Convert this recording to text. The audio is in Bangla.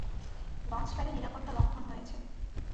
লঞ্চ-প্যাডে নিরাপত্তা লঙ্ঘন হয়েছে।